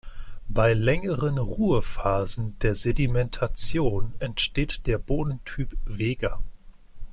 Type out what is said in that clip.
Bei längeren Ruhephasen der Sedimentation entsteht der Bodentyp Vega.